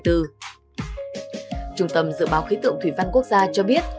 trung tâm dự báo khí tượng thủy văn quốc gia cho biết